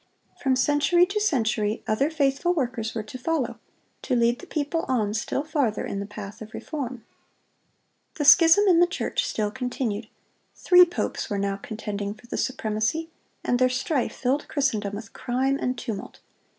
From century to century, other faithful workers were to follow, to lead the people on still farther in the path of reform. The schism in the church still continued. Three popes were now contending for the supremacy, and their strife filled Christendom with crime and tumult.